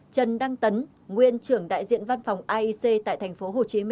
trần đăng tấn nguyên trưởng đại diện văn phòng aic tại tp hcm